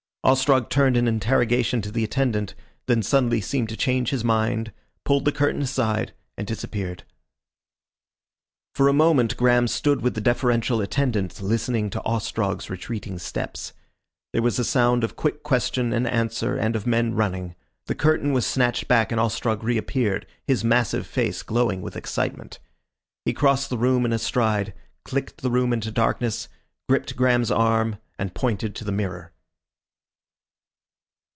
Ostrog turned in interrogation to the attendant, then suddenly seemed to change his mind, pulled the curtain aside and disappeared. For a moment Graham stood with the deferential attendant listening to Ostrog's retreating steps. There was a sound of quick question and answer and of men running. The curtain was snatched back and Ostrog reappeared, his massive face glowing with excitement. He crossed the room in a stride, clicked the room into darkness, gripped Graham's arm and pointed to the mirror.